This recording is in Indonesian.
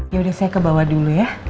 ya udah saya ke bawah dulu ya